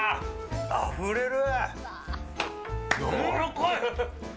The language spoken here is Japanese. あふれる！